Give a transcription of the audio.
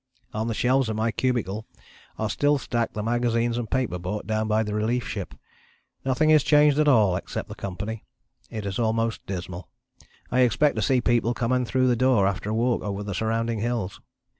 "On the shelves of my cubicle are still stacked the magazines and paper brought down by the relief ship. Nothing is changed at all except the company. It is almost dismal. I expect to see people come in through the door after a walk over the surrounding hills.